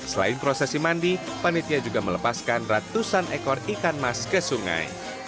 selain prosesi mandi panitia juga melepaskan ratusan ekor ikan mas ke sungai